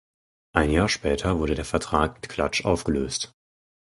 Ein Jahr später wurde der Vertrag mit Cluj aufgelöst.